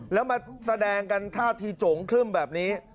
แล้วมาแสดงกันถ้าทีโจฉมแบบนี้